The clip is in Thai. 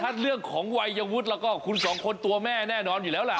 ถ้าเรื่องของวัยวุฒิแล้วก็คุณสองคนตัวแม่แน่นอนอยู่แล้วล่ะ